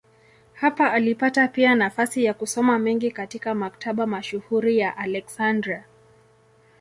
Hapa alipata pia nafasi ya kusoma mengi katika maktaba mashuhuri ya Aleksandria.